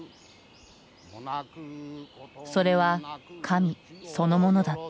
それは神そのものだった。